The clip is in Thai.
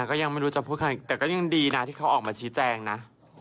ก็ยังไม่รู้จะพูดใครแต่ก็ยังดีนะที่เขาออกมาชี้แจงนะ